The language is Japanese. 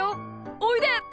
おいで！